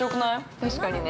◆確かにね。